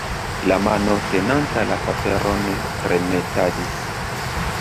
La mano tenanta la paperon tremetadis.